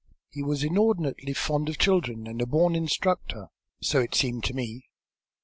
He was inordinately fond of children, and a born instructor, so it seemed to me.